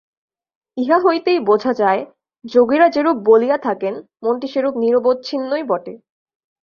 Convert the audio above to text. ইহা হইতেই বোঝা যায়, যোগীরা যেরূপ বলিয়া থাকেন মনটি সেরূপ নিরবচ্ছিন্নই বটে।